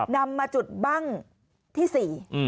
นำมาจุดบั้งที่๔